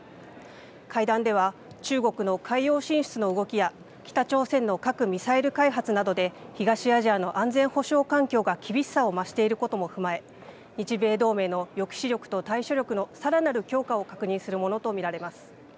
会談では中国の海洋進出の動きや北朝鮮の核・ミサイル開発などで東アジアの安全保障環境が厳しさを増していることも踏まえ日米同盟の抑止力と対処力のさらなる強化を確認するものと見られます。